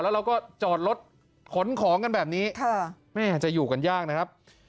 แล้วเราก็จอดรถขนของกันแบบนี้แม่จะอยู่กันยากนะครับ